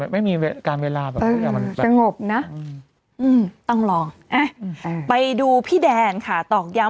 ไม่มีการเวลาแบบอืมมันยงอบน่ะอืมต้องลองแอ๊ปไปดูพี่แดนค่ะตอกย้าว